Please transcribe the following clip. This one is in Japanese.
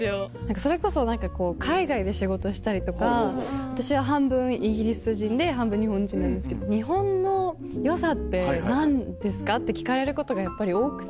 それこそ何か海外で仕事したりとか私は半分イギリス人で半分日本人なんですけど日本の良さって何ですか？って聞かれることがやっぱり多くて。